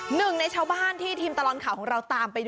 หนึ่งในชาวบ้านที่ทีมตลอดข่าวของเราตามไปดู